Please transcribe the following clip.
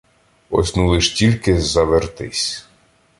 Ось ну лиш тільки завертись!